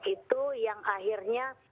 itu yang akhirnya